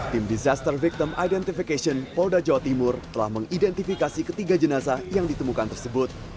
tim disaster victim identification polda jawa timur telah mengidentifikasi ketiga jenazah yang ditemukan tersebut